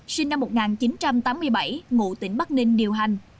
sinh năm một nghìn chín trăm tám mươi bảy ngụ tỉnh bắc ninh điều hành